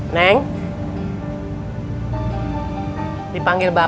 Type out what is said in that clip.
neng dipanggil bapak